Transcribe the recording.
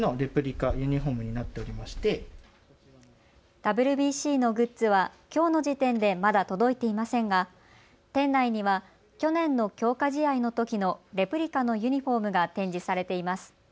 ＷＢＣのグッズはきょうの時点でまだ届いていませんが店内には去年の強化試合のときのレプリカのユニフォームが展示されています。